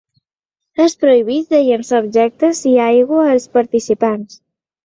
És prohibit de llançar objectes i aigua als participants.